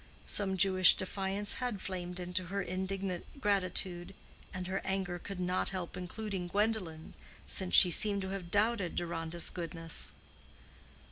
Some Jewish defiance had flamed into her indignant gratitude and her anger could not help including Gwendolen since she seemed to have doubted Deronda's goodness.